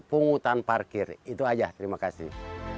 pungutan parkir itu aja terima kasih